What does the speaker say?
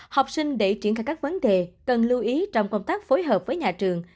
học sinh để triển khai các vấn đề cần lưu ý trong công tác phối hợp với nhà trường